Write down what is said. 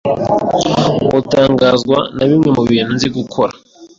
Wotangazwa na bimwe mubintu nzi gukora.